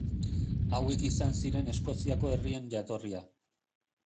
Hauek izan ziren Eskoziako herrien jatorria.